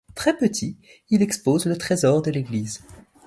Très petit, il expose le trésor de l'église.